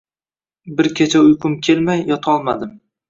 Bir kecha uyqum kelmay yotolmadim.